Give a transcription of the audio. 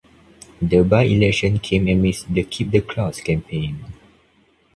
The by-election came amidst the Keep the Clause campaign.